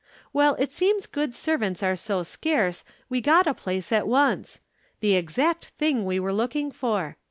Well, it seems good servants are so scarce we got a place at once the exact thing we were looking for.